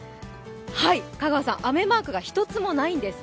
香川さん、雨マークが一つもないんです。